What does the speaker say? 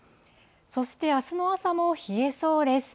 そして、あすの朝も冷えそうです。